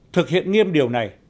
thực hiện nghiêm điều này